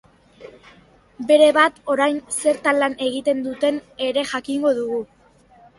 Berebat, orain zertan lan egiten duten ere jakingo dugu.